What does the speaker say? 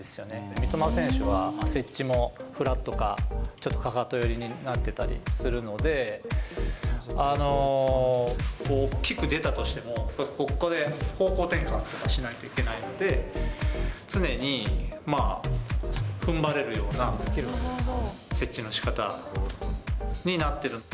三笘選手は、接地もフラットか、ちょっとかかと寄りになってたりするので、大きく出たとしても、ここで方向転換しないといけないので、常にふんばれるような接地のしかたになってる。